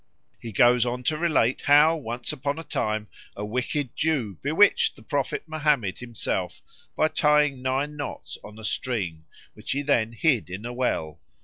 He goes on to relate how, once upon a time, a wicked Jew bewitched the prophet Mohammed himself by tying nine knots on a string, which he then hid in a well.